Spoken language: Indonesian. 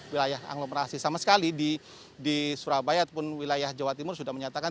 wilayah anglomerasi sama sekali di surabaya ataupun wilayah jawa timur sudah menyatakan